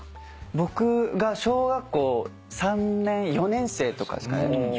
僕が小学校３年４年生とかですかね。